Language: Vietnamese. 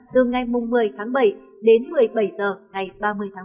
từ ngày một mươi tháng bảy đến một mươi bảy h ngày ba mươi tháng bảy